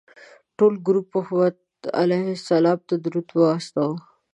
ټول ګروپ محمد علیه السلام ته درود واستوه.